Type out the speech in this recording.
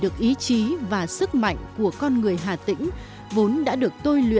chia tay phương mỹ